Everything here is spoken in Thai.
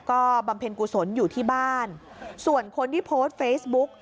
ก็บำเพ็ญกุศลอยู่ที่บ้านส่วนคนที่โพสต์เฟซบุ๊ก